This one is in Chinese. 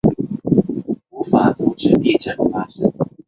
无法阻止地震发生